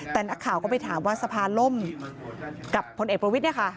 แต่นักข่าวก็ไปถามว่าสภาล่มกับพลเอกประวิทย์เนี่ยค่ะ